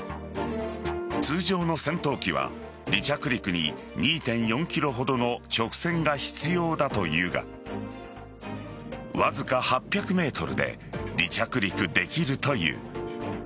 通常の戦闘機は離着陸に２．４ｋｍほどの直線が必要だというがわずか８００ｍで離着陸できるという。